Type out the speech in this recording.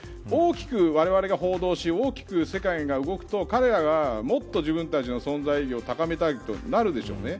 つまりわれわれが報道し大きく世界が動くと彼らがもっと自分たちの存在意義を高めたいとなるでしょうね。